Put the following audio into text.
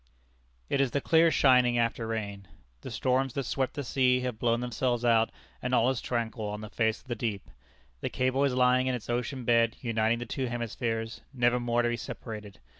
It is the clear shining after rain. The storms that swept the sea, have blown themselves out, and all is tranquil on the face of the deep. The cable is lying in its ocean bed uniting the two hemispheres, nevermore to be separated.